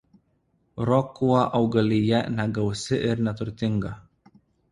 Rokua augalija negausi ir neturtinga.